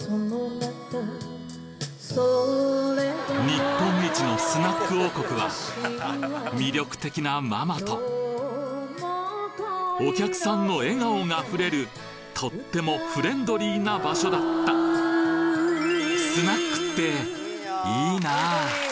日本一のスナック王国は魅力的なママとお客さんの笑顔があふれるとってもフレンドリーな場所だったホントにいいわぁ。